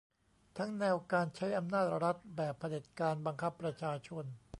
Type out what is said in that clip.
ทั้งแนวการใช้อำนาจรัฐแบบเผด็จการบังคับประชาชน